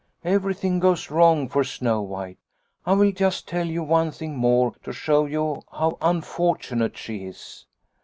" Everything goes wrong for Snow White. I will just tell you one thing more to show you how unfortunate she is."